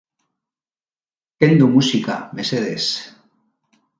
Kendu musika, mesedez.